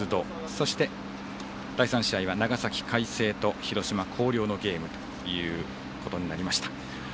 そして、第３試合は長崎・海星と広島・広陵のゲームということになりました。